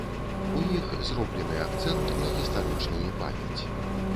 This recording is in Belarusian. У іх зроблены акцэнт на гістарычнаю памяць.